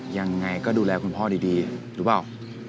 ยังไงก็ดูแลคุณพ่อดีหรือเปล่า